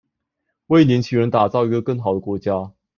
為年輕人打造一個更好的國家